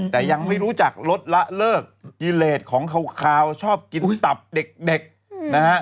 แต่ยังไม่รู้จักลดละเลิกกิเลสของคาวชอบกินตับเด็กนะฮะ